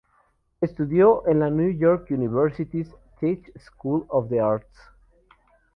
Estudió en la New York University’s Tisch School of the Arts.